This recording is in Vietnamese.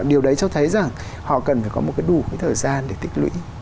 điều đấy cho thấy rằng họ cần phải có một cái đủ cái thời gian để tích lũy